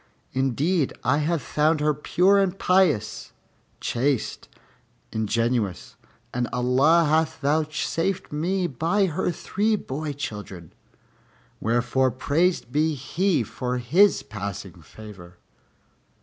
Indeed, I have found her pure and pious, chaste and ingenuous, and Allah hath vouchsafed me by her three boy children; wherefore praised be He for His passing favor."